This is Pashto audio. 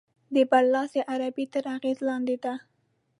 د برلاسې عربي تر اغېز لاندې ده.